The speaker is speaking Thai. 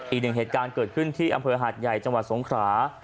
อีกหนึ่งเหตุการณ์เกิดขึ้นที่อำเภอหาดใหญ่จังหวัดสงขรา